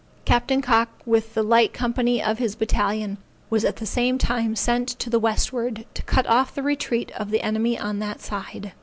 Captain Cocke, with the light company of his battalion, was at the same time sent to the westward, to cut off the retreat of the enemy on that side.